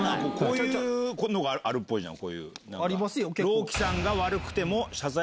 こういうのがあるじゃん。